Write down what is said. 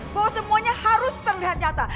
bahwa semuanya harus terlihat nyata